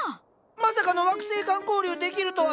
まさかの惑星間交流できるとは！